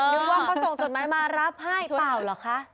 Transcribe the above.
นึกว่าเขาส่งจดไม้มารับให้เปล่าหรือคะช่วยบ้าง